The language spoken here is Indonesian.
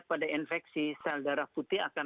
pada infeksi sel darah putih akan